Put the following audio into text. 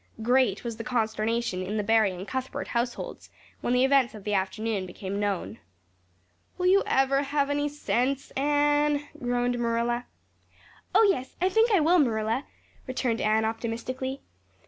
Great was the consternation in the Barry and Cuthbert households when the events of the afternoon became known. "Will you ever have any sense, Anne?" groaned Marilla. "Oh, yes, I think I will, Marilla," returned Anne optimistically.